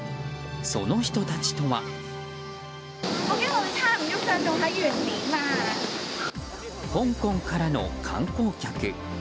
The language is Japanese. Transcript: その人たちとは香港からの観光客。